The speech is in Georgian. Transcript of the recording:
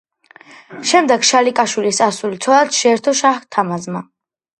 შემდეგ შალიკაშვილის ასული ცოლად შეირთო შაჰ-თამაზმა.